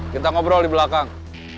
kita ngobrol di belakang